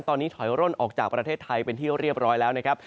ตอนนี้ถอยร่นออกจากประเทศไทยเป็นที่เรียบร้อยแล้วนะครับ